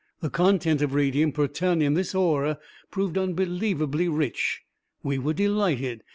The content of radium per ton in this ore proved unbelievably rich: we were delighted.